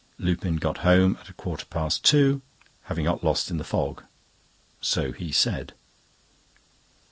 Lupin got home at a quarter past two, having got lost in the fog—so he said.